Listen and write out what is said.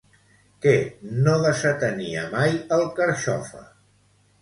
Què no desatenia mai el Carxofa?